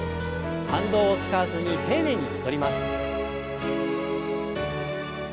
反動を使わずに丁寧に戻ります。